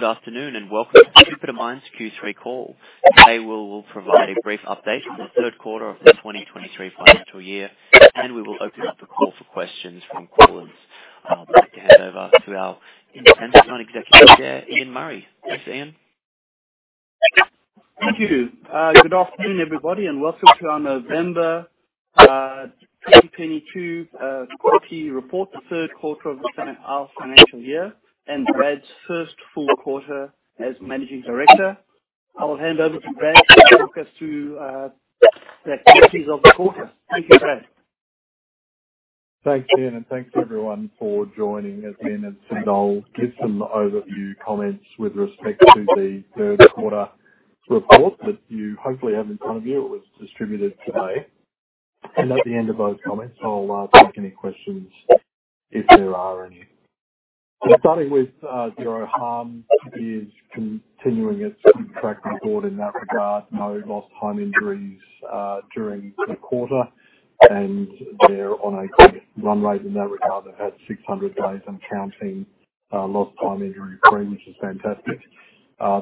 Good afternoon, welcome to Jupiter Mines Q3 call. Today, we will provide a brief update on the third quarter of the 2023 financial year, and we will open up the call for questions from callers. I'll now hand over to our Independent Non-Executive Chair, Ian Murray. Thanks, Ian. Thank you. Good afternoon, everybody, and welcome to our November 2022 Q3 report, the third quarter of our financial year and Brad's first full quarter as managing director. I will hand over to Brad to walk us through the activities of the quarter. Thank you, Brad. Thanks, Ian, and thanks, everyone, for joining. As Ian has said, I'll give some overview comments with respect to the third quarter report that you hopefully have in front of you. It was distributed today. At the end of those comments, I'll take any questions if there are any. Starting with, zero harm is continuing its track record in that regard. No lost time injuries during the quarter, and they're on a good run rate in that regard. They've had 600 days and counting, lost time injury-free, which is fantastic.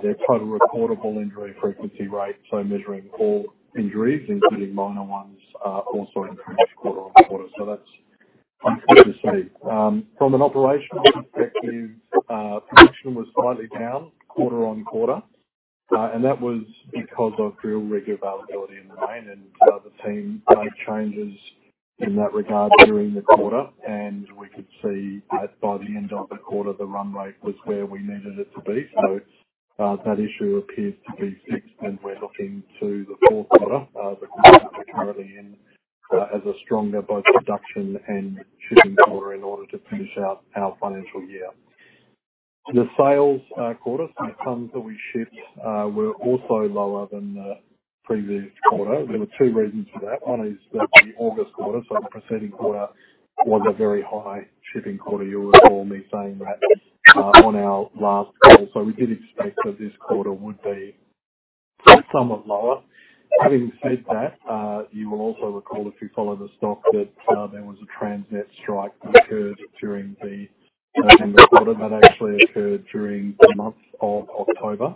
Their total recordable injury frequency rate, so measuring all injuries, including minor ones, also improved quarter-on-quarter. That's good to see. From an operational perspective, production was slightly down quarter-on-quarter. That was because of drill rig availability in the mine, and the team made changes in that regard during the quarter, and we could see that by the end of the quarter, the run rate was where we needed it to be. That issue appears to be fixed, and we're looking to the fourth quarter, the quarter which we're currently in, as a stronger both production and shipping quarter in order to finish out our financial year. The sales quarter, so the tons that we shipped, were also lower than the previous quarter. There were two reasons for that. One is that the August quarter, so the preceding quarter, was a very high shipping quarter. You'll recall me saying that on our last call. We did expect that this quarter would be somewhat lower. Having said that, you will also recall, if you follow the stock, that there was a Transnet strike that occurred during the second quarter. That actually occurred during the month of October.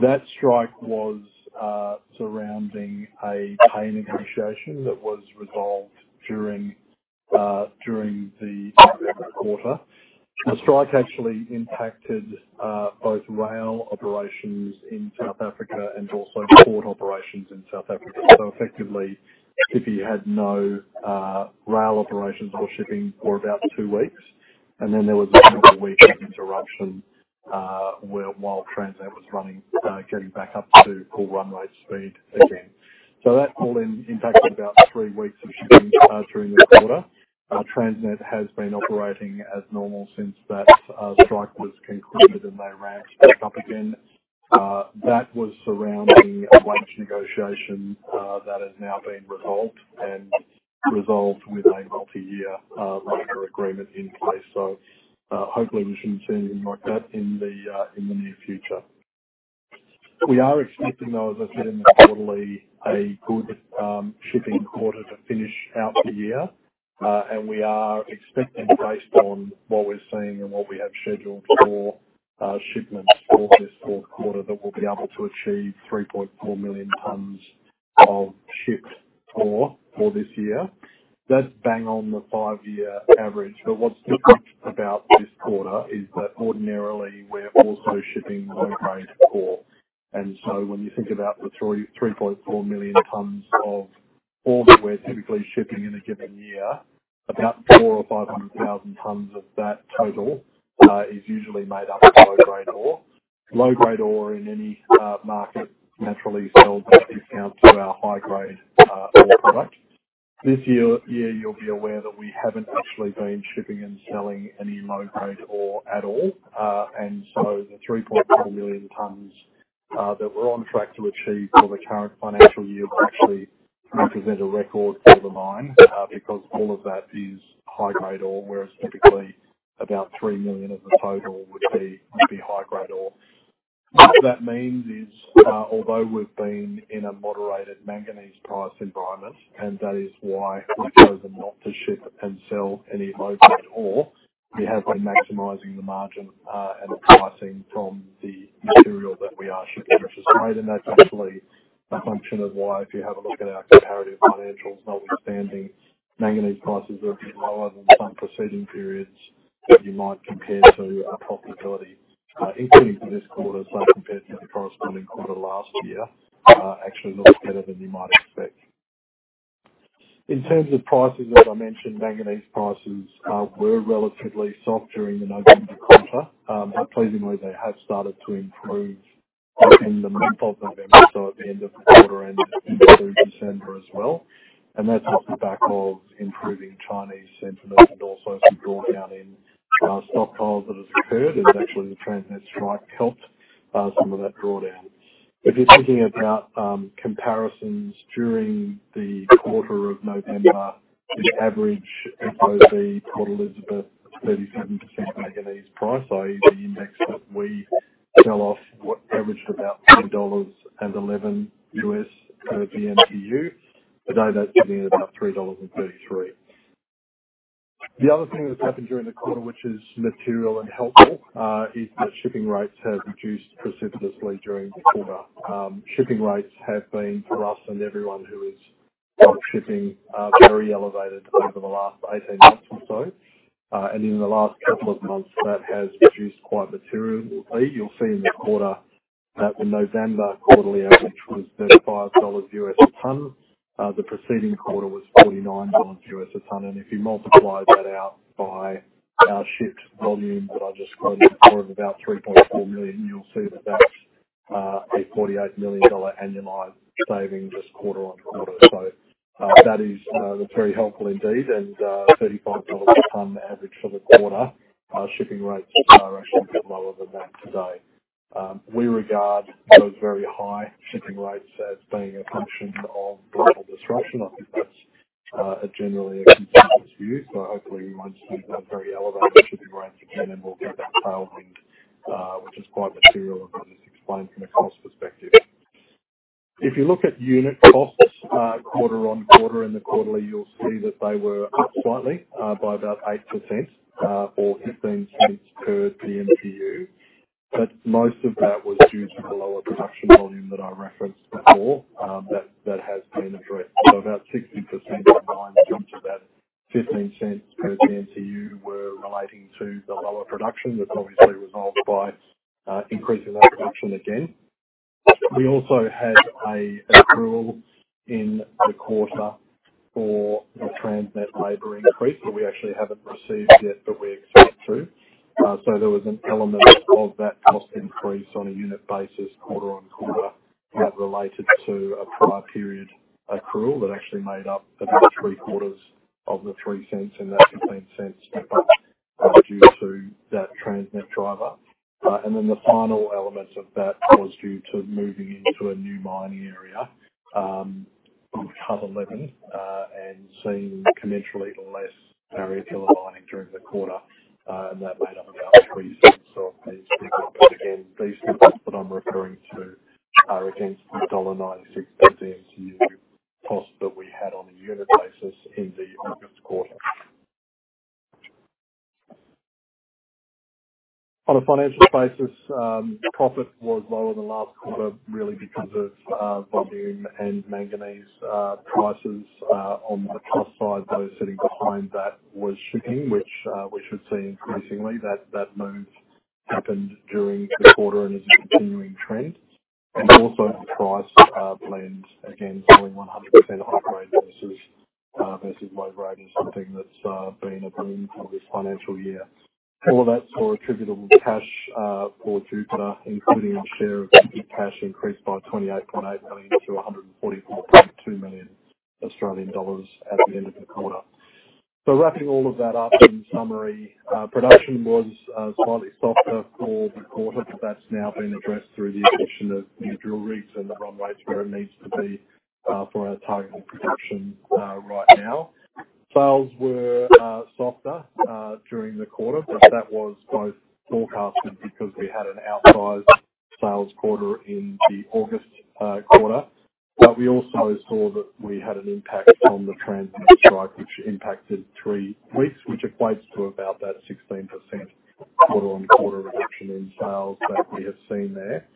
That strike was surrounding a pay negotiation that was resolved during the November quarter. The strike actually impacted both rail operations in South Africa and also port operations in South Africa. Effectively, Tshipi had no rail operations or shipping for about two weeks. There was another week of interruption where while Transnet was running, getting back up to full run rate speed again. That all impacted about three weeks of shipping during the quarter. Transnet has been operating as normal since that strike was concluded and they ramped back up again. That was surrounding a wage negotiation that has now been resolved and resolved with a multi-year labor agreement in place. Hopefully, we shouldn't see anything like that in the near future. We are expecting, though, as I said in the quarterly, a good shipping quarter to finish out the year. And we are expecting based on what we're seeing and what we have scheduled for shipments for this fourth quarter, that we'll be able to achieve 3.4 million tons of shipped ore for this year. That's bang on the 5-year average. What's different about this quarter is that ordinarily we're also shipping low-grade ore. When you think about the 3.3 million-3.4 million tons of ore that we're typically shipping in a given year, about 400,000-500,000 tons of that total is usually made up of low-grade ore. Low-grade ore in any market naturally sells at a discount to our high-grade ore product. This year, you'll be aware that we haven't actually been shipping and selling any low-grade ore at all. The 3.4 million tons that we're on track to achieve for the current financial year will actually represent a record for the mine because all of that is high-grade ore, whereas typically about 3 million of the total would be high-grade ore. What that means is, although we've been in a moderated manganese price environment, and that is why we've chosen not to ship and sell any low-grade ore, we have been maximizing the margin, and the pricing from the material that we are shipping, which is great. That's actually a function of why, if you have a look at our comparative financials, notwithstanding manganese prices are a bit lower than some preceding periods that you might compare to our profitability, including for this quarter. Compared to the corresponding quarter last year, actually looks better than you might expect. In terms of prices, as I mentioned, manganese prices were relatively soft during the November quarter. Pleasingly, they have started to improve in the month of November, so at the end of the quarter and into December as well. That's off the back of improving Chinese sentiment and also some drawdown in stockpiles that has occurred. Actually, the Transnet strike helped some of that drawdown. If you're thinking about comparisons during the quarter of November, the average FOB Port Elizabeth 37% manganese price, i.e. the index that we sell off, what averaged about $10.11 US per dmtu. Today, that's sitting at about $3.33. The other thing that's happened during the quarter, which is material and helpful, is that shipping rates have reduced precipitously during the quarter. Shipping rates have been, for us and everyone who is bulk shipping, very elevated over the last 18 months or so. In the last couple of months, that has reduced quite materially. You'll see in the quarter that the November quarterly average was $35 US a ton. The preceding quarter was $49 US a ton. If you multiply that out by our shipped volume that I just quoted for of about 3.4 million, you'll see that that's a $48 million annualized saving just quarter-on-quarter. That is very helpful indeed. $35 a ton average for the quarter, our shipping rates are actually a bit lower than that today. We regard those very high shipping rates as being a function of global disruption. I think that's a generally accepted view. Hopefully we won't see that very elevated shipping rates again, and we'll get that tailwind, which is quite material, as I just explained, from a cost perspective. If you look at unit costs, quarter-on-quarter in the quarterly, you'll see that they were up slightly, by about 8%, or 0.15 per dmtu. Most of that was due to the lower production volume that I referenced before, that has been addressed. About 60% of the AUD 0.09 of that 0.15 per dmtu were relating to the lower production. That's obviously resolved by increasing that production again. We also had a accrual in the quarter for the Transnet labor increase that we actually haven't received yet, but we expect to. There was an element of that cost increase on a unit basis quarter-on-quarter that related to a prior period accrual that actually made up about 3 quarters of the 0.03 in that 0.15 step-up due to that Transnet driver. The final element of that was due to moving into a new mining area on Cut 11, and seeing commensurately less barrier pillar mining during the quarter. That made up about 0.03 of these figures. Again, these figures that I'm referring to are against the $1.96 per dmtu cost that we had on a unit basis in the August quarter. On a financial basis, profit was lower than last quarter really because of volume and manganese prices. On the cost side, though, sitting behind that was shipping, which we should see increasingly. That move happened during the quarter and is a continuing trend. Also the price blend, again, selling 100% high-grade versus low-grade is something that's been a theme for this financial year. All of that saw attributable cash for Jupiter, including our share of GP cash, increased by 28.8 million to 144.2 million Australian dollars at the end of the quarter. Wrapping all of that up in summary, production was slightly softer for the quarter, but that's now been addressed through the addition of new drill rigs and the runway to where it needs to be for our targeted production right now. Sales were softer during the quarter, but that was both forecasted because we had an outsized sales quarter in the August quarter. We also saw that we had an impact from the Transnet strike, which impacted 3 weeks, which equates to about that 16% quarter-on-quarter reduction in sales that we have seen there.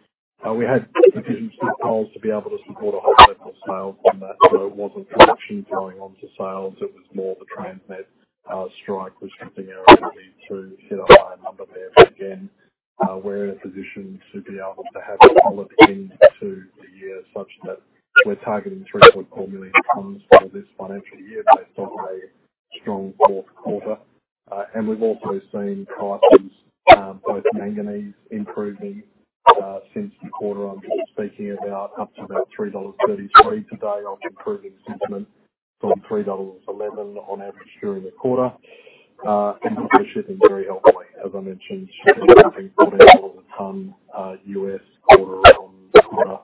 We had sufficient stockpiles to be able to support a whole level of sales on that. It wasn't production flowing on to sales, it was more the Transnet strike restricting our ability to hit a higher number there. Again, we're in a position to be able to have a solid end to the year such that we're targeting 3.4 million tons for this financial year based on a strong fourth quarter. And we've also seen prices, both manganese improving, since the quarter I'm just speaking about, up to about $3.33 today on improving sentiment from $3.11 on average during the quarter. And for shipping very helpfully, as I mentioned, shipping dropping $14 a ton, U.S. quarter-on-quarter,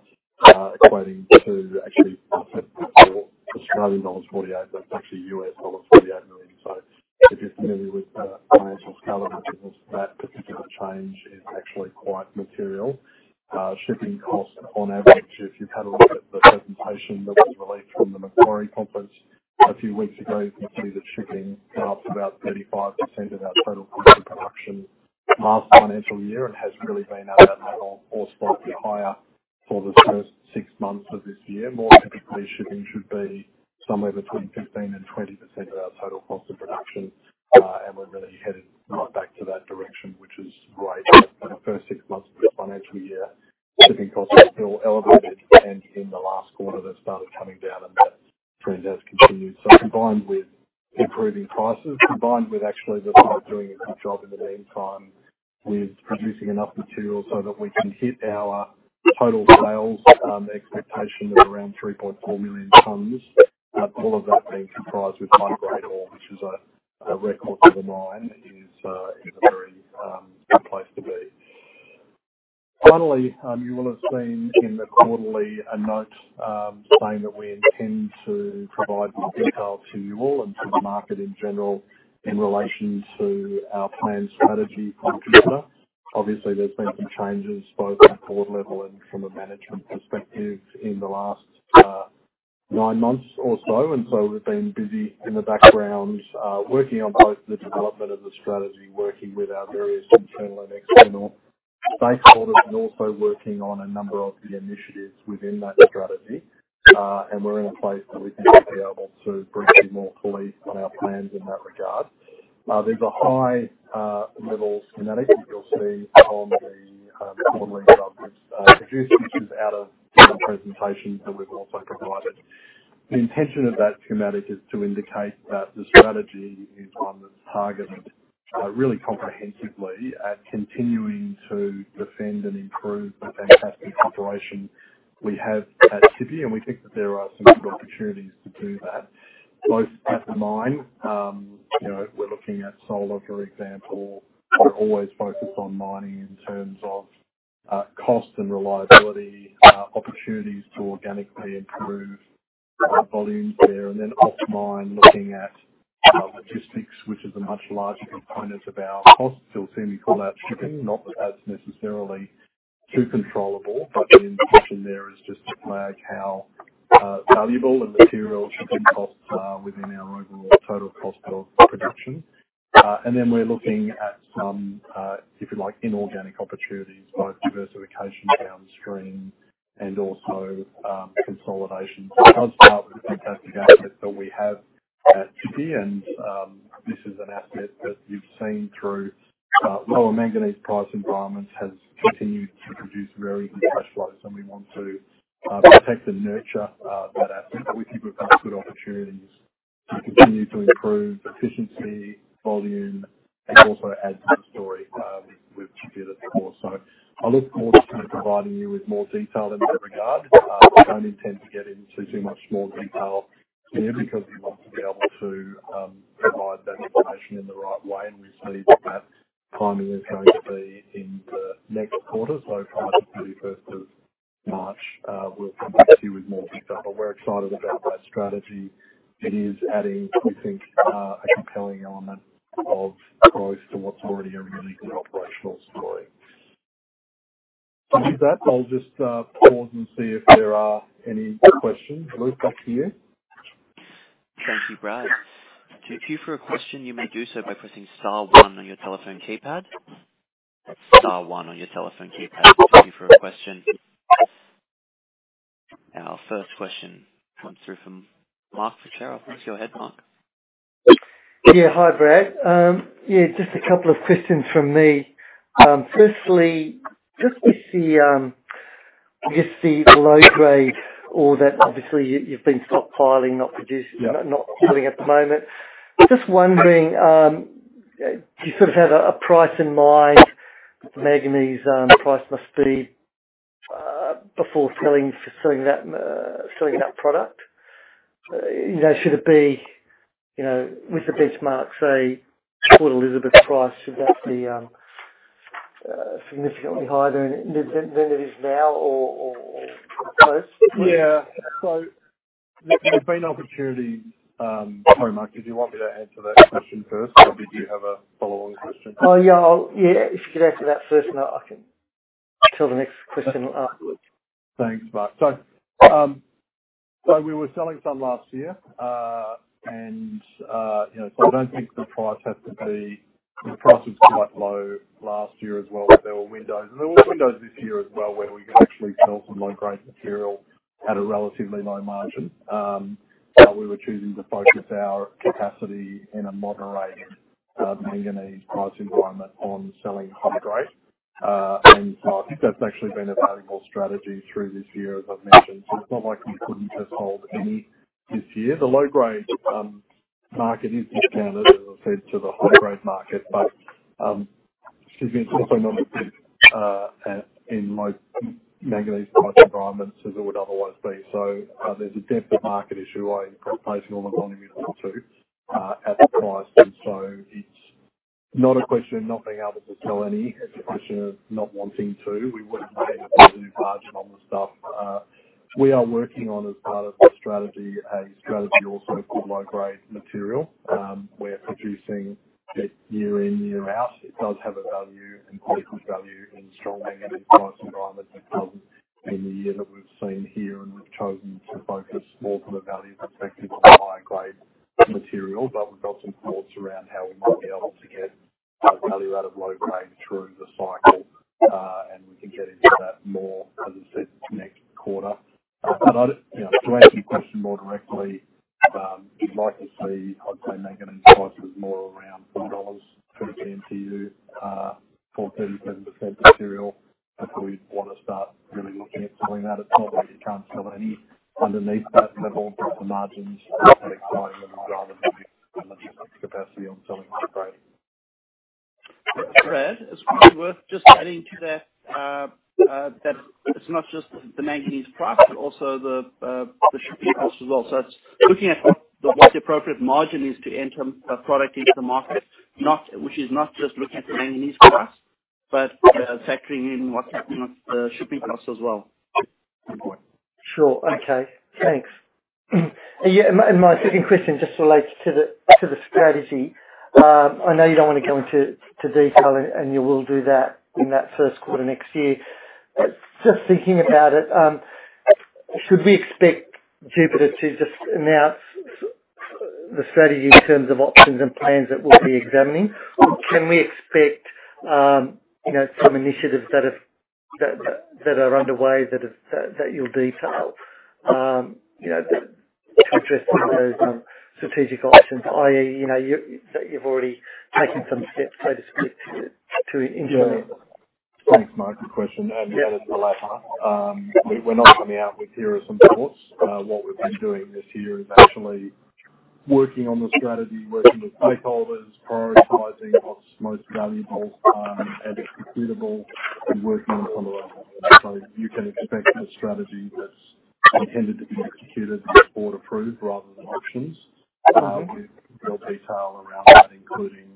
equating to actually, for Australian dollars 48, that's actually $88 million. If you're familiar with the financial scale of the business, that particular change is actually quite material. Shipping costs on average, if you've had a look at the presentation that was released from the Macquarie Conference a few weeks ago, you can see that shipping went up to about 35% of our total cost of production last financial year and has really been at that level or slightly higher for the first six months of this year. More typically, shipping should be somewhere between 15%-20% of our total cost of production. We're really headed right back to that direction, which is great. For the first six months of this financial year, shipping costs were still elevated, and in the last quarter, they've started coming down, and that trend has continued. Combined with improving prices, combined with actually the mine doing a good job in the meantime with producing enough material so that we can hit our total sales expectation of around 3.4 million tons. All of that being comprised with high-grade ore, which is a record for the mine, is a very good place to be. Finally, you will have seen in the quarterly a note saying that we intend to provide more detail to you all and to the market in general in relation to our planned strategy for Jupiter. There's been some changes both at board level and from a management perspective in the last 9 months or so. We've been busy in the background, working on both the development of the strategy, working with our various internal and external stakeholders, and also working on a number of the initiatives within that strategy. We're in a place where we think we'll be able to brief you more fully on our plans in that regard. There's a high level schematic that you'll see on the on the results we've produced, which is out of the presentation that we've also provided. The intention of that schematic is to indicate that the strategy is on the target, really comprehensively at continuing to defend and improve the fantastic operation we have at Tshipi, and we think that there are some good opportunities to do that, both at the mine, you know, we're looking at solar, for example. We're always focused on mining in terms of cost and reliability, opportunities to organically improve our volumes there, and then off-mine, looking at logistics, which is a much larger component of our costs. You'll see me call out shipping. Not that that's necessarily too controllable, but the intention there is just to flag how valuable the material shipping costs are within our overall total cost of production. Then we're looking at some, if you like, inorganic opportunities, both diversification downstream and also, consolidation. It does start with the fantastic asset that we have at Tshipi, and this is an asset that you've seen through lower manganese price environments, has continued to produce very good cash flows, and we want to protect and nurture that asset. We think we've got good opportunities to continue to improve efficiency, volume, and also add to the story, with Tshipi that's before us. I look forward to kind of providing you with more detail in that regard. I don't intend to get into too much more detail here because we want to be able to provide that information in the right way, and we see that that timing is going to be in the next quarter. Prior to the 1st of March, we'll come back to you with more detail. We're excited about that strategy. It is adding, we think, a compelling element of growth to what's already a really good operational story. With that, I'll just pause and see if there are any questions. Luke, back to you. Thank you, Brad. To queue for a question, you may do so by pressing star one on your telephone keypad. Star one on your telephone keypad to queue for a question. Our first question comes through from Mark Fuschera. Go ahead, Mark. Yeah, hi, Brad. Yeah, just a couple of questions from me. firstly, just with the, just the low-grade, all that obviously you've been stockpiling, not. Yeah. Not selling at the moment. Just wondering, do you sort of have a price in mind, manganese price must be for selling that product? You know, should it be, you know, with the benchmark, say, Port Elizabeth price, should that be significantly higher than it is now or close? Yeah. There's been opportunity. Sorry, Mark, did you want me to answer that question first? Or did you have a follow-on question? Yeah, if you could answer that first and I can tell the next question afterwards. Thanks, Mark. We were selling some last year. You know, I don't think the price has to be. The price was quite low last year as well, but there were windows. There were windows this year as well, where we could actually sell some low-grade material at a relatively low margin. We were choosing to focus our capacity in a moderate manganese price environment on selling high grade. I think that's actually been a valuable strategy through this year, as I've mentioned. It's not like we couldn't just hold any this year. The low-grade market is discounted, as I said, to the high-grade market. Excuse me, it's also not as big in low manganese price environments as it would otherwise be. There's a depth of market issue. Are you placing all the volume you want to at the price? It's not a question of not being able to sell any, it's a question of not wanting to. We wouldn't be getting good enough margin on the stuff. We are working on as part of the strategy, a strategy also for low-grade ore. We're producing it year in, year out. It does have a value, an adequate value in strong manganese price environments. It doesn't in the year that we've seen here, I know you don't wanna go into detail, and you will do that in that first quarter next year. But just thinking about it, should we expect Jupiter to just announce the strategy in terms of options and plans that we'll be examining? Or can we expect, you know, some initiatives that are underway that you'll detail, you know, to address some of those strategic options, i.e., you know, you've already taken some steps so to speak to implement them. Yeah. Thanks, Mark, good question. Yeah, it's the latter. We're not coming out with theories and thoughts. What we've been doing this year is actually working on the strategy, working with stakeholders, prioritizing what's most valuable and executable and working on some of those. You can expect a strategy that's intended to be executed and board approved rather than options. With real detail around that, including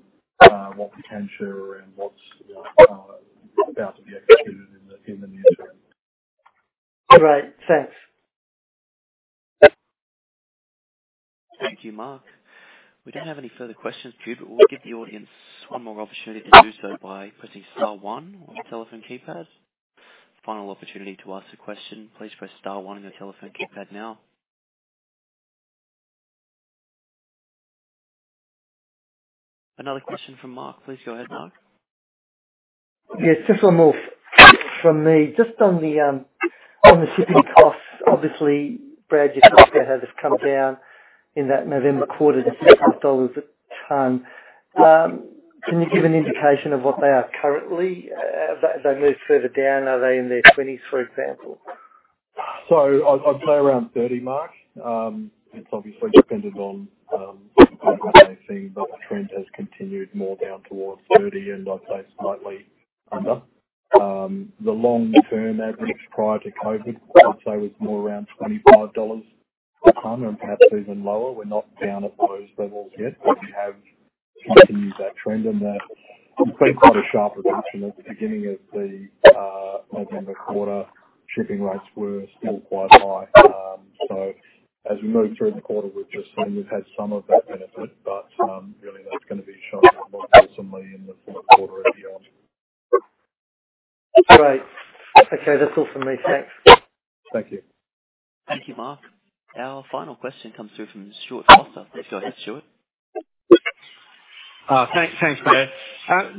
what potential and what's about to be executed in the near term. Great. Thanks. Thank you, Mark. We don't have any further questions, Jupiter. We'll give the audience one more opportunity to do so by pressing star one on telephone keypad. Final opportunity to ask the question. Please press star one on your telephone keypad now. Another question from Mark. Please go ahead, Mark. Yeah, just one more from me. Just on the, on the shipping costs. Obviously, Brad, your cost there has come down in that November quarter to $6 a ton. Can you give an indication of what they are currently? As they move further down, are they in their twenties, for example? I'd say around 30, Mark. It's obviously dependent on COVID and everything, but the trend has continued more down towards 30 and I'd say slightly under. The long term average prior to COVID, I'd say, was more around 25 dollars a ton and perhaps even lower. We're not down at those levels yet, but we have continued that trend and that we've seen quite a sharp advancement. At the beginning of the November quarter, shipping rates were still quite high. As we move through the quarter, we've just seen we've had some of that benefit, but really that's gonna be shown more prominently in the fourth quarter EPS. Great. Okay, that's all from me. Thanks. Thank you. Thank you, Mark. Our final question comes through from Stuart Foster. Please go ahead, Stuart. Thanks. Thanks, Brad.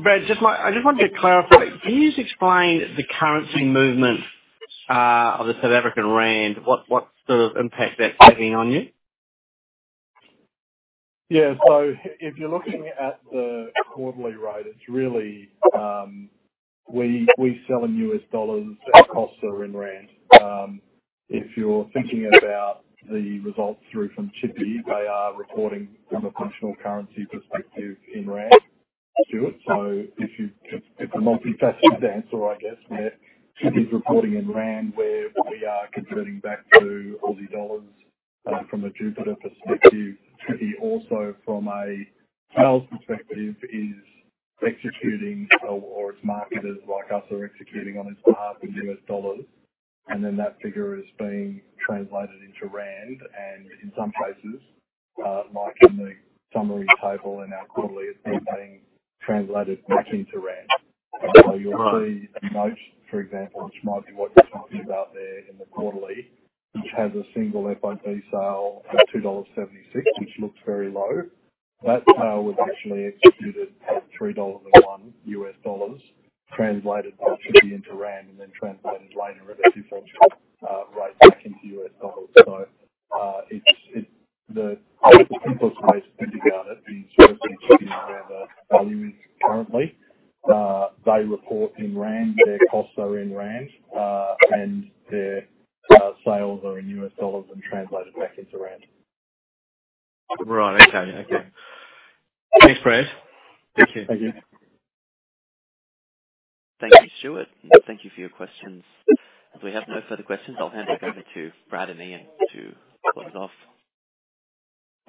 Brad, I just wanted to clarify, can you just explain the currency movement of the South African Rand? What's the impact that's having on you? Yeah. If you're looking at the quarterly rate, it's really, we sell in US dollars and our costs are in rand. If you're thinking about the results through from Tshipi, they are reporting from a functional currency perspective in rand, Stuart. It's a multifaceted answer, I guess, where Tshipi's reporting in rand, where we are converting back to Aussie dollars from a Jupiter perspective. Tshipi also from a sales perspective, is executing or its marketers like us are executing on its behalf in US dollars, and then that figure is being translated into rand. In some cases, like in the summary table in our quarterly, it's been being translated back into rand. Right. You'll see a note, for example, which might be what you're talking about there in the quarterly, which has a single FOB sale at $2.76, which looks very low. That sale was actually executed at $3.01 US dollars, translated by Tshipi into ZAR, and then translated later at a unfavorable rate back into US dollars. It's the simplest way to think about it being sort of in Tshipi and where the value is currently, they report in ZAR, their costs are in ZAR, and their sales are in US dollars and translated back into ZAR. Right. Okay. Okay. Thanks, Brad. Thank you. Thank you. Thank you, Stuart, and thank you for your questions. If we have no further questions, I'll hand it over to Brad and Ian to close it off.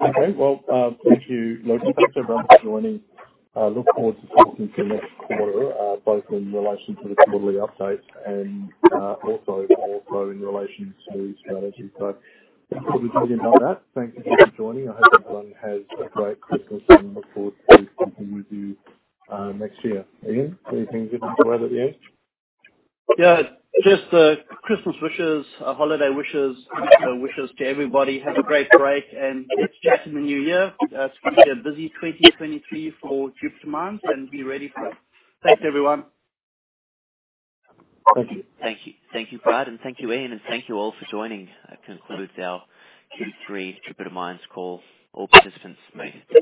Okay. Well, thank you. Look, thanks everyone for joining. I look forward to talking to you next quarter, both in relation to this quarterly update and also more so in relation to strategy. Thanks for the update on that. Thank you all for joining. I hope everyone has a great Christmas and look forward to speaking with you next year. Ian, anything you'd like to add at the end? Just Christmas wishes, holiday wishes to everybody. Have a great break and let's chat in the new year. It's gonna be a busy 2023 for Jupiter Mines, and be ready for it. Thanks, everyone. Thank you. Thank you. Thank you, Brad, and thank you, Ian. Thank you all for joining. That concludes our Q3 Jupiter Mines call. All participants may disconnect.